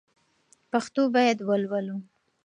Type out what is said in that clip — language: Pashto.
پښتو باید ولولو